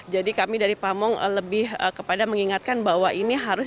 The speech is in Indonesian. jadi kami dari pamong lebih kepada mengingatkan bahwa ini harus